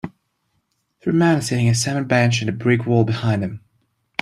Three men sitting a cement bench and a brick wall behind them